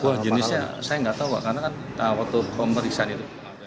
wah jenisnya saya nggak tahu pak karena kan waktu pemeriksaan itu